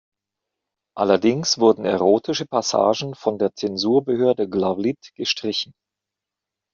Allerdings wurden erotische Passagen von der Zensurbehörde Glawlit gestrichen.